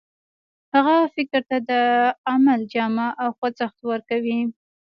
هغه فکر ته د عمل جامه او خوځښت ورکوي.